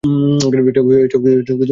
এটাও কি অনুষ্ঠানের অংশ?